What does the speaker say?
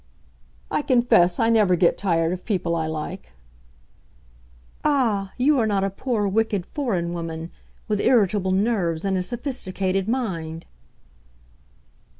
"I confess I never get tired of people I like." "Ah, you are not a poor wicked foreign woman, with irritable nerves and a sophisticated mind!"